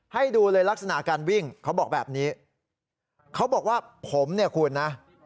ให้ดูเลยลักษณะการวิ่งเขาบอกแบบนี้เขาบอกว่าผมเนี่ยคุณนะ